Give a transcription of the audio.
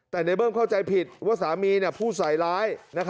แต่ในเบิ้มเข้าใจผิดว่าสามีพูดใส่ร้าย